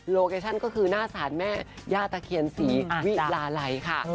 เคชั่นก็คือหน้าศาลแม่ย่าตะเคียนศรีวิลาลัยค่ะ